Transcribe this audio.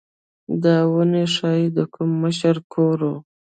دا ودانۍ ښايي د کوم مشر کور و